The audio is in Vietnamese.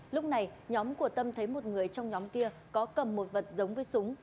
lúc này nhóm của tâm thấy một người trong nhóm kia có cầm một vật giống với súng